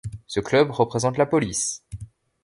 Ce club représente la police.